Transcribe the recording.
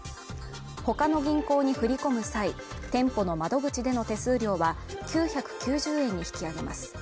他の銀行に振り込む際、店舗の窓口での手数料は９９０円に引き上げます。